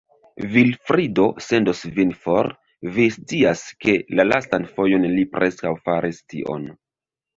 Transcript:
Vilfrido sendos vin for; vi scias, ke, la lastan fojon, li preskaŭ faris tion.